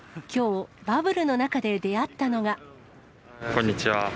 きょう、バブルの中で出会っこんにちは。